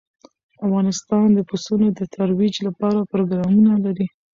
افغانستان د پسونو د ترویج لپاره پروګرامونه لري.